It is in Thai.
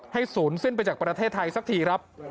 ศูนย์สิ้นไปจากประเทศไทยสักทีครับ